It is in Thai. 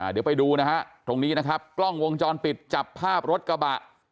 เดี๋ยวไปดูนะฮะตรงนี้นะครับกล้องวงจรปิดจับภาพรถกระบะ